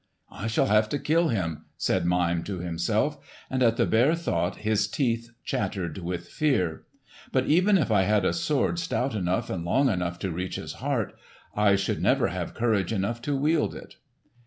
"I shall have to kill him," said Mime to himself. And at the bare thought his teeth chattered with fear. "But even if I had a sword stout enough and long enough to reach his heart, I should never have courage enough to wield it."